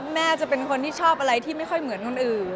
แม่จะเป็นคนที่ชอบอะไรที่ไม่ค่อยเหมือนคนอื่น